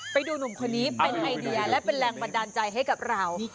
ไปดูหนุ่มคนนี้เป็นไอเดียและเป็นแรงบันดาลใจให้กับเรา